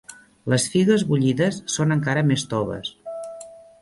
Les figues bullides són encara més toves.